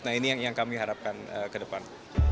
nah ini yang kami harapkan ke depan